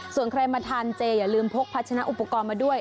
ส่วนใครมาทานเจอย่าลืมพกพัชนะอุปกรณ์มาด้วย